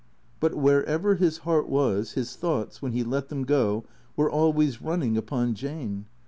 But wherever his heart was, his thoughts, when he let them go, were always running upon Jane.